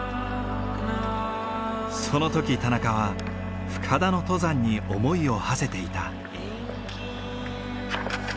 その時田中は深田の登山に思いをはせていた。